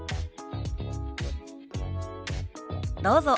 どうぞ。